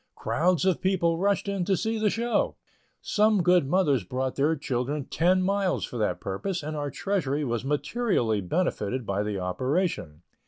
Crowds of people rushed in "to see the show." Some good mothers brought their children ten miles for that purpose, and our treasury was materially benefited by the operation.